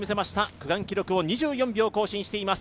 区間記録を２４秒更新しています。